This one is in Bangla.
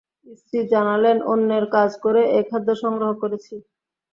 স্ত্রী জানালেন, অন্যের কাজ করে এ খাদ্য সংগ্রহ করেছি।